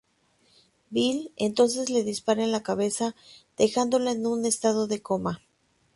Bill entonces le dispara en la cabeza, dejándola en un estado de coma.